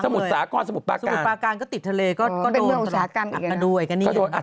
สมุดสากรสมุดปาการก็ติดทะเลก็โดนอับกระดูกอับกระดูกอย่างนี้อย่างนี้